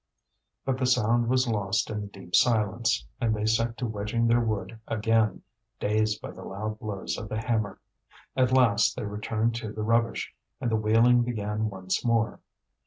But the sound was lost in the deep silence, and they set to wedging their wood again, dazed by the loud blows of the hammer. At last they returned to the rubbish, and the wheeling began once more.